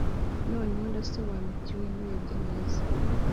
noneho ndasobanukiwe murebye neza